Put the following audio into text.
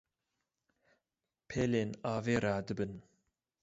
pêlên avê radibin.